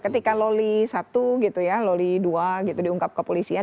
ketika loli satu gitu ya loli dua gitu diungkap kepolisian